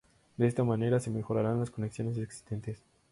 De esta manera se mejorarán las conexiones existentes.